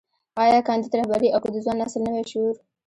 ايا کانديد رهبري او که د ځوان نسل نوی شعور.